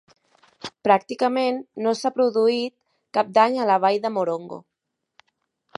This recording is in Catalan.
Pràcticament no s'ha produït cap dany a la vall de Morongo.